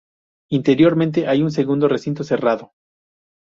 Interiormente hay un segundo recinto cerrado.